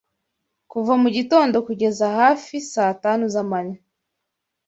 Kuva mu gitondo kugeza hafi saa tanu z’amanywa,